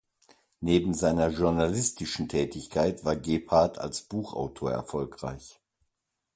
Neben seiner journalistischen Tätigkeit war Gebhardt als Buchautor erfolgreich.